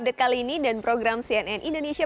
dan demikian cnn indonesia